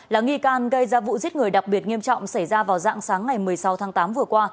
là nghi can gây ra vụ giết người đặc biệt nghiêm trọng xảy ra vào dạng sáng ngày một mươi sáu tháng tám vừa qua